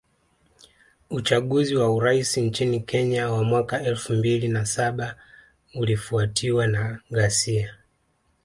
Uchaguzi wa urais nchini Kenya wa mwaka elfu mbili na saba ulifuatiwa na ghasia